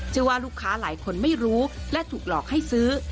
ว่าลูกค้าหลายคนไม่รู้และถูกหลอกให้ซื้อ